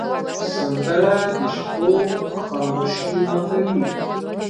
سندره د شپو خاموشي ماتوې